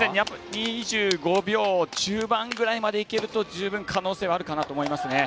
２５秒中盤ぐらいまでいけると十分、可能性はあるかと思いますね。